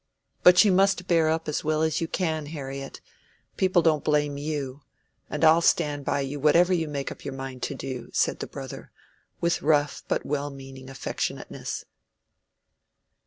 "But you must bear up as well as you can, Harriet. People don't blame you. And I'll stand by you whatever you make up your mind to do," said the brother, with rough but well meaning affectionateness.